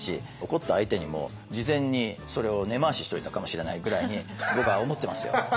怒った相手にも事前にそれを根回ししといたかもしれないぐらいに僕は思ってますよ。